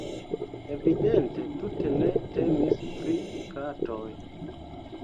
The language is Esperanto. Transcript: Evidente tute ne temis pri fratoj.